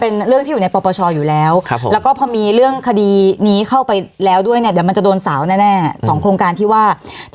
คือไม่ใช่ค่ะคือเรื่องตอนนี้มันจะบอกว่า